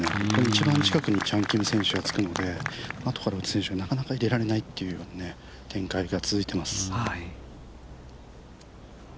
一番近くにチャン・キム選手がつくので、あとから打つ選手は、なかなか入れられないという展開が続いています。